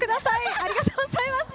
ありがとうございます。